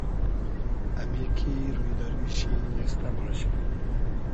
امی کی روی دۂ روی شی اېستۂ باشی